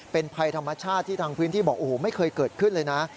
เป็นภัยธรรมชาติที่ทางพื้นที่บอกโอ้โหไม่เคยเกิดขึ้นเลยนะ